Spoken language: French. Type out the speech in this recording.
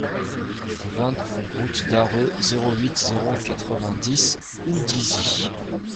vingt route d'Arreux, zéro huit, zéro quatre-vingt-dix, Houldizy